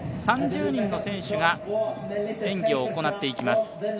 ３０人の選手が演技を行っていきます。